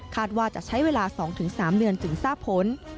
ว่าจะใช้เวลา๒๓เดือนจึงทราบผล